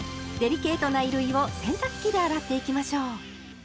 デリケートな衣類を洗濯機で洗っていきましょう。